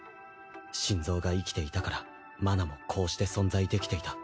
心臓が生きていたから麻奈もこうして存在できていた。